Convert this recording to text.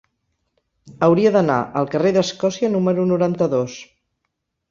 Hauria d'anar al carrer d'Escòcia número noranta-dos.